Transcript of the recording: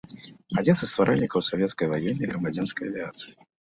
Адзін са стваральнікаў савецкай ваеннай і грамадзянскай авіяцыі.